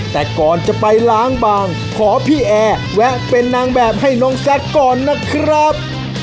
แต่ก่อนจะไปล้างบางขอพี่แอร์แวะเป็นนางแบบให้น้องแซคก่อนนะครับ